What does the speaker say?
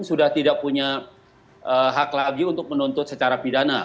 sudah tidak punya hak lagi untuk menuntut secara pidana